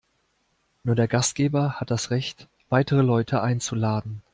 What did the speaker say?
Nur der Gastgeber hat das Recht, weitere Leute einzuladen.